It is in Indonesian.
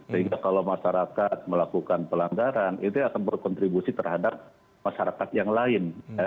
sehingga kalau masyarakat melakukan pelanggaran itu akan berkontribusi terhadap masyarakat yang lain